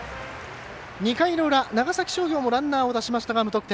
２回の裏、長崎商業もランナーを出しましたが無得点。